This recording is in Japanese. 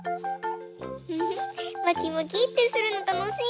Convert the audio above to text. フフまきまきってするのたのしい！